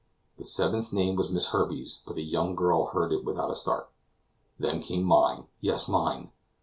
The seventh name was Miss Herbey's, but the young girl heard it without a start. Then came mine, yes, mine!